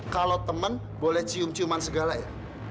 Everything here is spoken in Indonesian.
kalau temen boleh cium ciuman segala ya